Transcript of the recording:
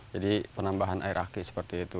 jadi penambahan air aki seperti itu